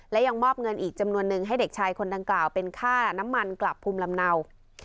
และยังมอบเงินอีกจำนวนนึงให้เด็กชายคนดังกล่าวเป็นค่าน้ำมันกลับภูมิลำเนา